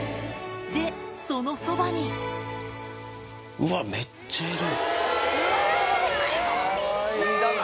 でそのそばにうわめっちゃいる。